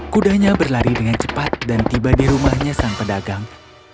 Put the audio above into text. kudanya berlari dengan cepat dan tiba di rumahnya sang pedagang